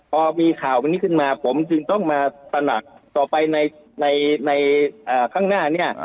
พอมีข่าวขึ้นมาผมต้องมาตลักต่อไปในขั้งหน้า